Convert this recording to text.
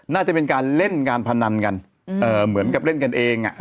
น่าจะเป็นการเล่นการพนันกันเหมือนกับเล่นกันเอง